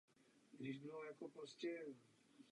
Patří mezi nejrychleji se pohybující plže.